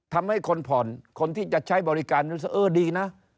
ทำให้คนผ่อนคนที่จะใช้บริการรู้สึกเออดีนะ